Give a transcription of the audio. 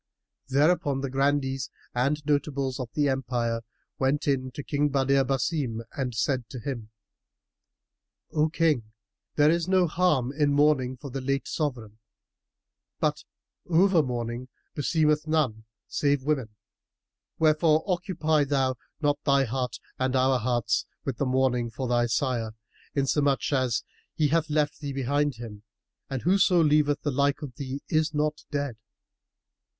Thereupon the Grandees and notables of the Empire went in to King Badr Basim and said to him, "O King, there is no harm in mourning for the late sovran: but over mourning beseemeth none save women; wherefore occupy thou not thy heart and our hearts with mourning for thy sire; inasmuch as he hath left thee behind him, and whoso leaveth the like of thee is not dead."